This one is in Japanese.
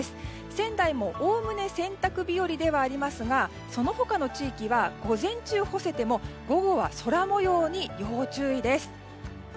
仙台も、おおむね洗濯日和ではありますがその他の地域は午前中干せても午後は、空模様に要注意です。